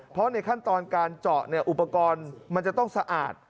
เพราะในขั้นตอนการเจาะอุปกรณ์มันจะต้องสะอาด